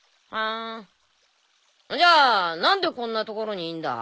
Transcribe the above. んじゃ何でこんなところにいんだ？